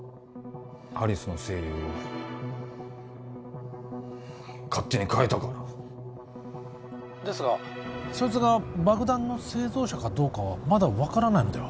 アリスの声優を勝手にかえたからですがそいつが爆弾の製造者かどうかはまだ分からないのでは？